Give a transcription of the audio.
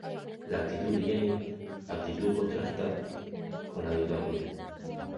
La actitud de Jenny actitud contrasta con la de Claudia.